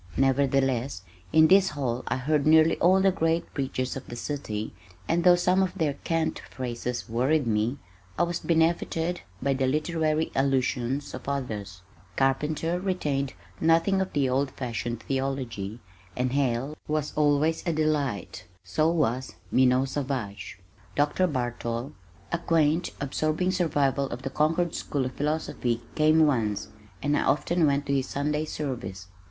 Nevertheless in this hall I heard nearly all the great preachers of the city, and though some of their cant phrases worried me, I was benefited by the literary allusions of others. Carpenter retained nothing of the old fashioned theology, and Hale was always a delight so was Minot Savage. Dr. Bartol, a quaint absorbing survival of the Concord School of Philosophy, came once, and I often went to his Sunday service.